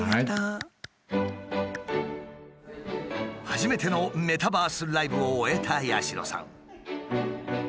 初めてのメタバースライブを終えた八代さん。